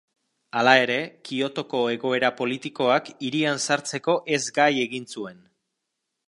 Hala ere, Kiotoko egoera politikoak, hirian sartzeko ezgai egin zuen.